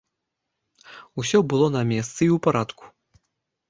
Усё было на месцы і ў парадку.